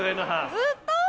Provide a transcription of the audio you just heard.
ずっと？